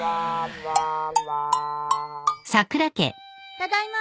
ただいま。